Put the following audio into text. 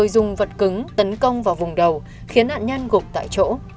đã tấn công vào vùng đầu khiến nạn nhân gục tại chỗ